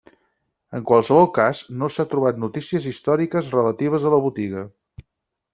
En qualsevol cas, no s'han trobat notícies històriques relatives a la botiga.